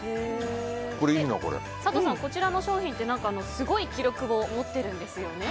佐藤さん、こちらの商品ってすごい記録を持っているんですよね。